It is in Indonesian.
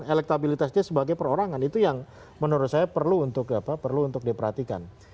elektabilitasnya sebagai perorangan itu yang menurut saya perlu untuk diperhatikan